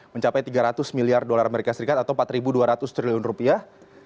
mencapai tiga ratus miliar dolar amerika serikat atau empat dua ratus triliun rupiah